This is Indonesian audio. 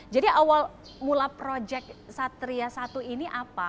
jadi awal mula proyek satria satu ini apa